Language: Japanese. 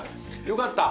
よかった！